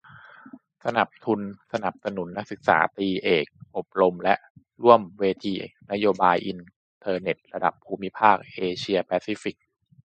สมัครทุนสนับสนุนนักศึกษาตรี-เอก อบรมและร่วมเวทีนโยบายอินเทอร์เน็ตระดับภูมิภาคเอเชียแปซิฟิก